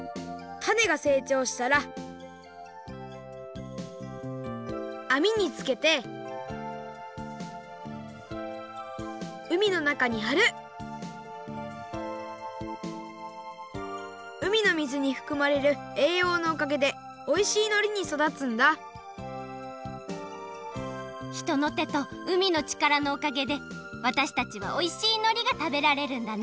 種がせいちょうしたらあみにつけてうみのなかにはるうみの水にふくまれるえいようのおかげでおいしいのりに育つんだ人の手とうみのちからのおかげでわたしたちはおいしいのりがたべられるんだね！